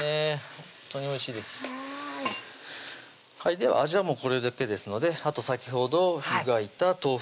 ほんとにおいしいですでは味はもうこれでＯＫですのであと先ほど湯がいた豆腐を入れていきます